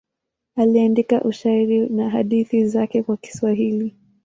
Aliandika ushairi na hadithi zake kwa Kiswahili.